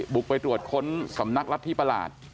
บุกไปตรวจค้นสำนักรัฐธิประหลาด